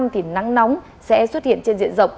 thì nắng nóng sẽ xuất hiện trên diện rộng